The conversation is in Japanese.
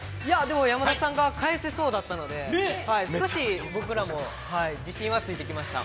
山田さんが返せそうだったので、少し僕らも自信はついてきました。